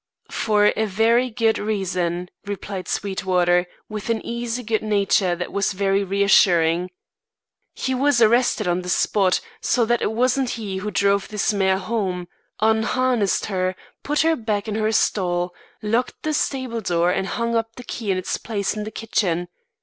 "For a very good reason," replied Sweetwater, with an easy good nature that was very reassuring. "He was arrested on the spot; so that it wasn't he who drove this mare home, unharnessed her, put her back in her stall, locked the stable door and hung up the key in its place in the kitchen.